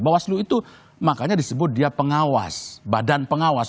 bawaslu itu makanya disebut dia pengawas badan pengawas